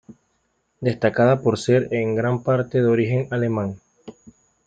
Destaca por ser en gran parte de origen alemán.